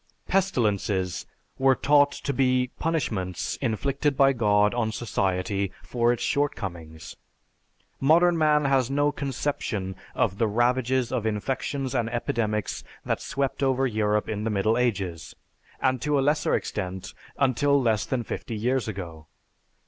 Pestilences were taught to be punishments inflicted by God on society for its shortcomings. Modern man has no conception of the ravages of infections and epidemics that swept over Europe in the Middle Ages, and to a lesser extent, until less than fifty years ago.